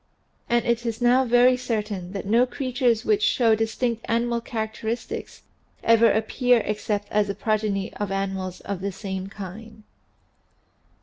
And it is now very certain that no creatures which show distinct animal characteristics ever appear except as the progeny of animals of the same kind.